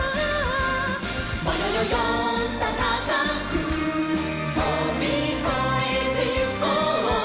「ぼよよよんとたかくとびこえてゆこう」